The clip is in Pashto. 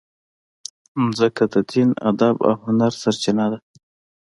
مځکه د دین، ادب او هنر سرچینه ده.